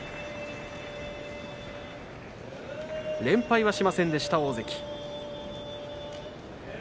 連敗はしませんでした大関。